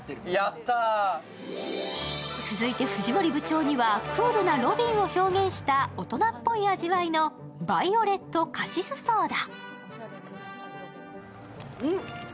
続いて藤森部長にはクールなロビンを表現した、大人っぽい味わいのバイオレットカシス・ソーダ。